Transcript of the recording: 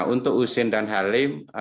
untuk husin dan halim